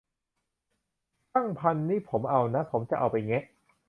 ตั้ง พัน นี่ผมเอานะ ผมจะเอาไปแงะ